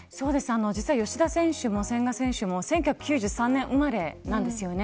実は、吉田選手も千賀選手も１９９３年生まれなんですよね。